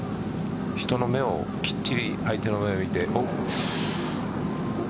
人の目をきっちり相手の目を見て。